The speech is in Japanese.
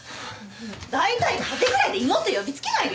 大体風邪ぐらいで妹呼びつけないでよね。